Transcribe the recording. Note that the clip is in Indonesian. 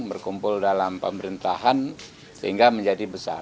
berkumpul dalam pemerintahan sehingga menjadi besar